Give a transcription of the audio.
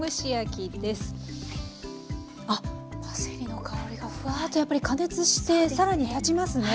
あっパセリの香りがフワーッとやっぱり加熱して更に立ちますね。